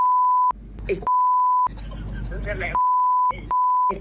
นึกแล้วไอ้